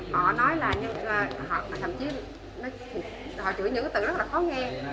họ nói là thậm chí họ chửi những cái từ rất là khó nghe